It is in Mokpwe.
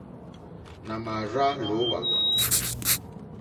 Nà mà àrzá lǒhwà.